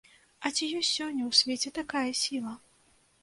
А ці ёсць сёння ў свеце такая сіла?